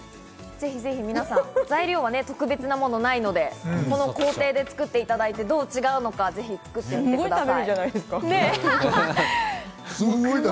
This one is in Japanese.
材料は特別なものはないので、この工程で作っていただいて、どう違うのかぜひ作ってみてください。